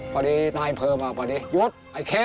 พอดีนายเพลิมมาพอดีหยุดไอ้เคน